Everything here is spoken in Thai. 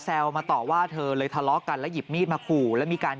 มาต่อว่าเธอเลยทะเลาะกันแล้วหยิบมีดมาขู่แล้วมีการ